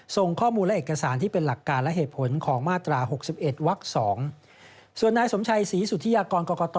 ส่งข้อมูลและเอกสารที่เป็นหลักการและเหตุผลของมาตรา๖๑วัก๒